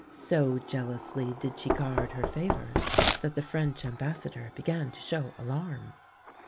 So jealously did she guard her favours that the French Ambassador began to show alarm.